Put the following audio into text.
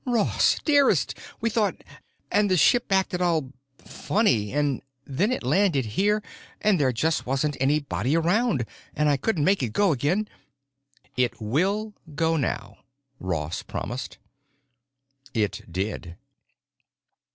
"Ross, dearest! We thought—And the ship acted all funny, and then it landed here and there just wasn't anybody around, and I couldn't make it go again——" "It will go now," Ross promised. It did.